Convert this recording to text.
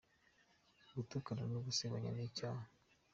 gutukana no gusebanya nicyaha.